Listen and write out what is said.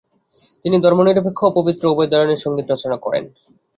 তিনি ধর্মনিরপেক্ষ ও পবিত্র উভয় ধরনের সঙ্গীত রচনা করেন।